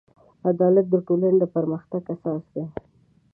عدالت د ټولنې د پرمختګ اساس دی.